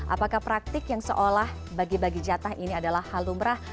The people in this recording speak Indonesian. apakah praktik yang seolah bagi bagi jatah ini adalah halumrah